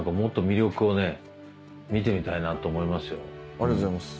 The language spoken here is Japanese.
ありがとうございます。